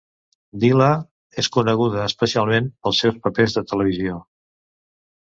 Dilla és coneguda, especialment, pels seus papers a televisió.